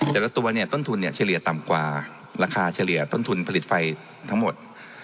แต่ละตัวเนี่ยต้นทุนเนี่ยเฉลี่ยต่ำกว่าราคาเฉลี่ยต้นทุนผลิตไฟทั้งหมด